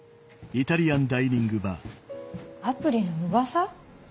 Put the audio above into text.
アプリの噂？